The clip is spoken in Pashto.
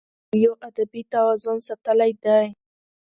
کویلیو ادبي توازن ساتلی دی.